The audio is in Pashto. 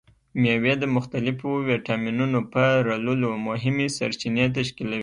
مېوې د مختلفو ویټامینونو په لرلو مهمې سرچینې تشکیلوي.